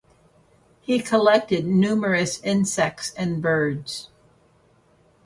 He collected numerous insects and birds.